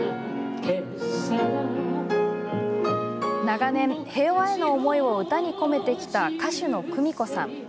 長年、平和への思いを歌に込めてきた歌手のクミコさん。